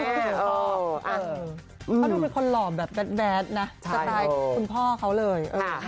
เขาดูเป็นคนหล่อแบบแดดนะสไตล์คุณพ่อเขาเลย